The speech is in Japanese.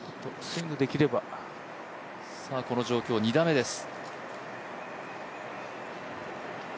この状況、２打目です。